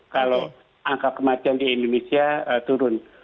kalau angka kematian di indonesia turun